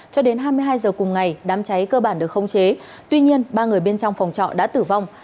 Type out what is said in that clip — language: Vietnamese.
cho đến hai mươi hai h cùng ngày đám cháy cơ bản được không chế tuy nhiên ba người bên trong phòng trọ đã tử vong